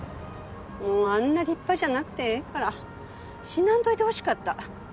もうあんな立派じゃなくてええから死なんといてほしかった。